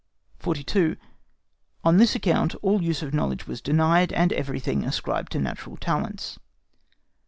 42. ON THIS ACCOUNT ALL USE OF KNOWLEDGE WAS DENIED, AND EVERYTHING ASCRIBED TO NATURAL TALENTS.